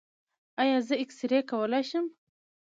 ایا زه اکسرې کولی شم؟